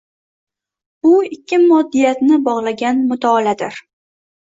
Bu ikki moddiyatni bog‘lagan mutolaadir.